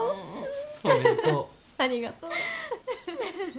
ありがとう。